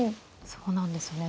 そうなんですね。